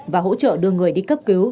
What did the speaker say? và hỗ trợ đưa người đi cấp cứu